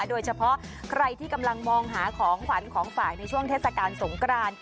โดยเฉพาะใครที่กำลังมองหาของขวัญของฝากในช่วงเทศกาลสงกราน